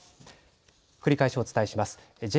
繰り返しお伝えします。